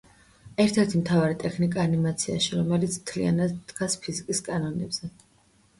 ერთ-ერთი მთავარი ტექნიკა ანიმაციაში, რომელიც მთლიანად დგას ფიზიკის კანონებზე.